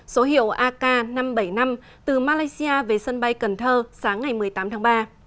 số hiệu ak năm trăm bảy mươi năm từ malaysia về sân bay cần thơ sáng ngày một mươi tám tháng ba